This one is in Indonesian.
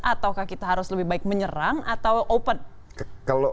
ataukah kita harus lebih baik menyerang atau open